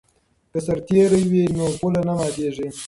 که سرتیری وي نو پوله نه ماتیږي.